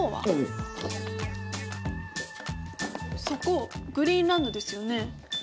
そこグリーンランドですよね？